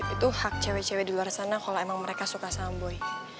itu hak cewek cewek di luar sana kalo emang mereka suka sama boy